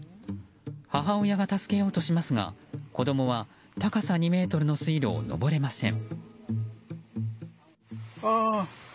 母親が助けようとしますが子供は高さ２ｍの水路を登れません。